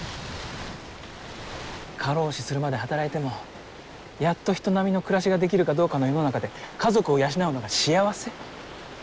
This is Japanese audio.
過労死するまで働いてもやっと人並みの暮らしができるかどうかの世の中で家族を養うのが幸せ？